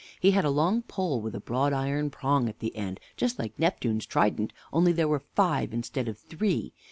He had a long pole with broad iron prongs at the end, just like Neptune's trident, only there were five instead of three.